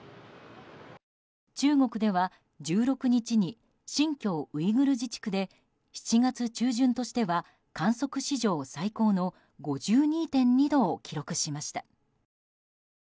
中国では１６日に新疆ウイグル自治区で７月中旬としては観測史上最高の５２．２度を記録しました。